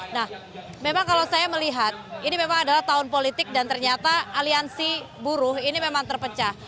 nah memang kalau saya melihat ini memang adalah tahun politik dan ternyata aliansi buruh ini memang terpecah